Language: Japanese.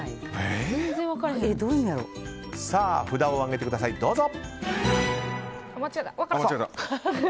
札を上げてください、どうぞ。